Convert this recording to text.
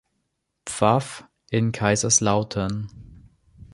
Pfaff in Kaiserslautern.